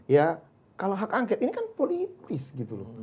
ya kalau hak angket ini kan politis gitu loh